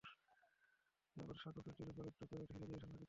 এবার সাগু ফিরনির ওপর একটু করে ঢেলে দিয়ে ঠান্ডা হতে দিন।